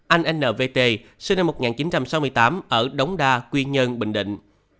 chín anh n v t sinh năm một nghìn chín trăm sáu mươi tám ở đống đa quy nhơn bình định